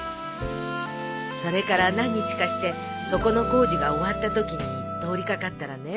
それから何日かしてそこの工事が終わったときに通り掛かったらね。